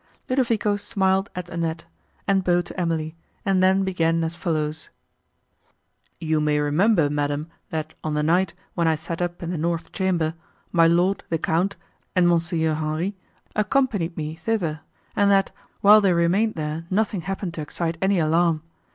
Ludovico smiled at Annette, and bowed to Emily, and then began as follows: "You may remember, madam, that, on the night, when I sat up in the north chamber, my lord, the Count, and Mons. Henri accompanied me thither, and that, while they remained there, nothing happened to excite any alarm.